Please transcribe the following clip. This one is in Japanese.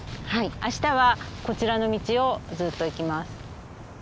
明日はこちらの道をずっと行きます。